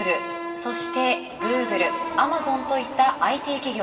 そして、グーグル、アマゾンといったＩＴ企業。